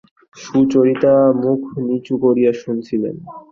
সুচরিতা মুখ নিচু করিয়া শুনিতেছিল।